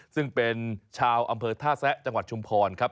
ซึ่งเป็นชาวอำเภอท่าแซะจังหวัดชุมพรครับ